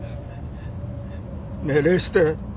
命令して